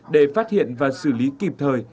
để phát hiện và xử lý kịp thời